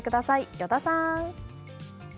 依田さん。